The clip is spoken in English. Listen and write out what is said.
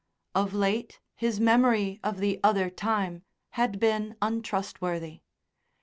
Of late his memory of the other time had been untrustworthy.